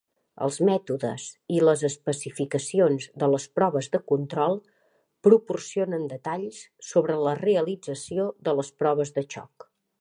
Els mètodes i les especificacions de les proves de control proporcionen detalls sobre la realització de les proves de xoc.